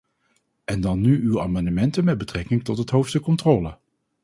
En dan nu uw amendementen met betrekking tot het hoofdstuk controle.